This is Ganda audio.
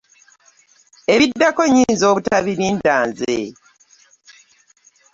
Ebiddako nnyinza obutabirinda nze.